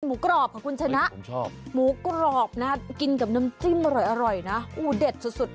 กรอบค่ะคุณชนะหมูกรอบนะกินกับน้ำจิ้มอร่อยนะอู๋เด็ดสุด